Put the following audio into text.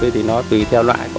thì nó tùy theo loại